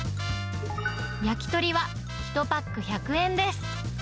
焼き鳥は１パック１００円です。